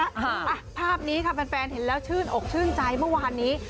อ่ะภาพนี้ค่ะแฟนเห็นแล้วชื่นอกชื่นใจเมื่อวานนี้